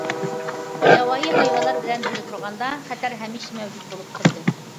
ياۋايى ھايۋانلار بىلەن بىللە تۇرغاندا، خەتەر ھەمىشە مەۋجۇت بولۇپ تۇرىدۇ.